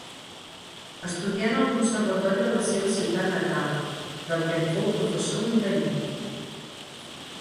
Estudià en el conservatori de la seva ciutat natal, del que en fou professor interí.